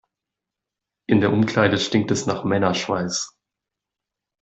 In der Umkleide stinkt es nach Männerschweiß.